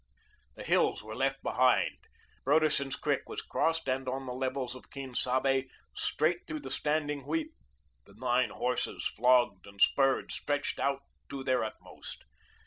The hills were left behind. Broderson Creek was crossed and on the levels of Quien Sabe, straight through the standing wheat, the nine horses, flogged and spurred, stretched out to their utmost.